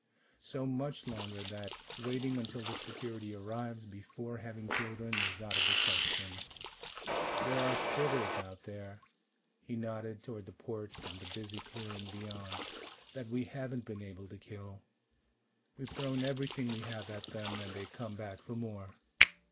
So much longer that waiting until the security arrives before having children is out of the question. There are critters out there " he nodded toward the port and the busy clearing beyond "that we haven't been able to kill. We've thrown everything we have at them, and they come back for more.